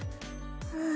うん。